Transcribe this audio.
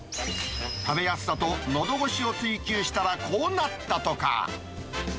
食べやすさとのど越しを追求したらこうなったとか。